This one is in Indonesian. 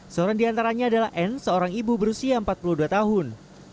seorang diantaranya adalah n seorang ibu berusia empat puluh dua tahun